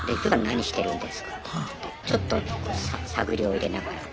ちょっと探りを入れながら。